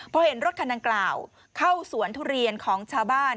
พอเห็นรถคันดังกล่าวเข้าสวนทุเรียนของชาวบ้าน